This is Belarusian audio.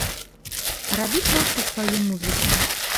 Рабі проста сваю музыку!